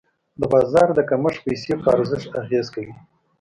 د بازار د کمښت پیسې په ارزښت اغېز کوي.